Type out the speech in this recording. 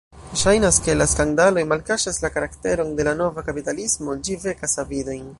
Ŝajnas, ke la skandaloj malkaŝas la karakteron de la nova kapitalismo: ĝi vekas avidojn.